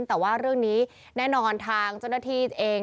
แต่ว่าเรื่องนี้แน่นอนทางเจ้าหน้าที่เอง